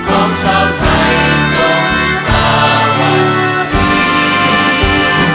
ของชาวไทยจงสาวันดี